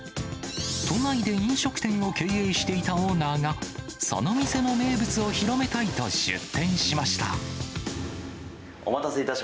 都内で飲食店を経営していたオーナーが、その店の名物を広めたいと出店しました。